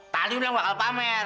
tadi udah bakal pamer